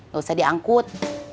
gak usah diangkut